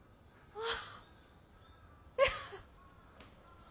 ああ。